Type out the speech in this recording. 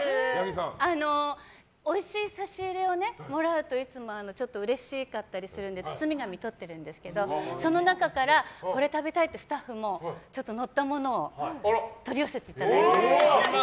おいしい差し入れをもらうといつもうれしかったりするので包み紙とってるんですけどその中からこれ食べたいってスタッフも乗ったものを取り寄せていただいて。